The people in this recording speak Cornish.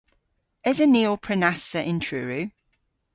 Esen ni ow prenassa yn Truru?